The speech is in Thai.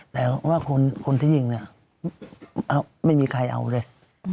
แต่ว่าคนที่ยิงเนี่ยไม่มีใครเอาเลย